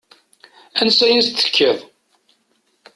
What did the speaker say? Ansa i as-d-tekkiḍ.